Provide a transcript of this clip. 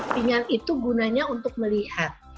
ringan itu gunanya untuk melihat